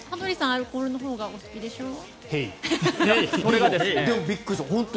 アルコールのほうがお好きでしょう？